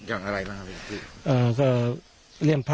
อย่างอะไรรึอยังพี่